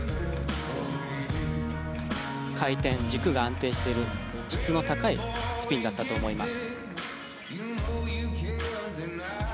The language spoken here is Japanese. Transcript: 回転、軸が安定している質の高いスピンだったと思います。